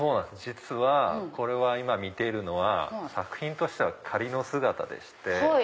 実はこれは今見てるのは作品としては仮の姿でして。